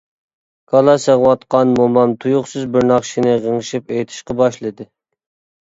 كالا سېغىۋاتقان مومام تۇيۇقسىز بىر ناخشىنى غىڭشىپ ئېيتىشقا باشلىدى.